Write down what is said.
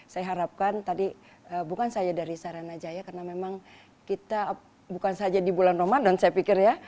saya harapkan tadi bukan saja dari saranajaya karena memang kita bukan saja di bulan ramadan saya pikir ya